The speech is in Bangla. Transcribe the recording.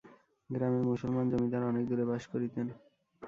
গ্রামের মুসলমান জমিদার অনেক দূরে বাস করিতেন।